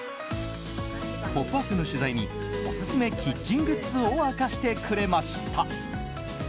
「ポップＵＰ！」の取材にオススメキッチングッズを明かしてくれました。